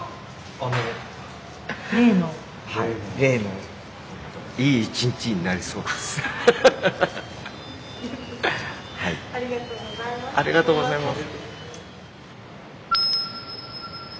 ありがとうございます。